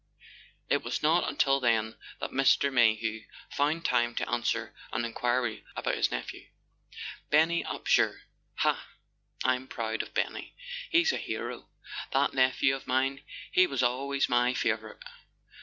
" It was not until then that Mr. Mayhew found time to answer an enquiry about his nephew. " Benny Upsher ? Ha—I'm proud of Benny ! He's a hero, that nephew of mine—he was always my favour¬ ite."